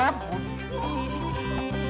kepala sama dia